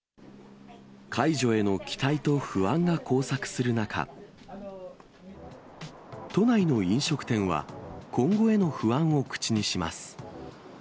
解除への期待と不安が交錯する中、都内の飲食店は、今後への不安を口にします。